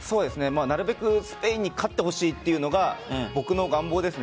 なるべくスペインに勝ってほしいというのが僕の願望です。